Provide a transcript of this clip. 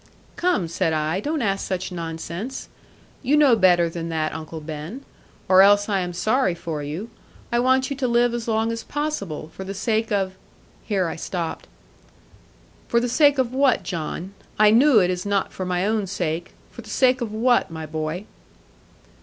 'Come,' said I, 'don't ask such nonsense. You know better than that, Uncle Ben. Or else, I am sorry for you. I want you to live as long as possible, for the sake of ' Here I stopped. 'For the sake of what, John? I knew it is not for my own sake. For the sake of what, my boy?'